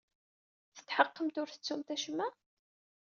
Tetḥeqqemt ur tettumt acemma?